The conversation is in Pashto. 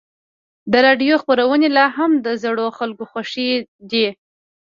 د راډیو خپرونې لا هم د زړو خلکو خوښې دي.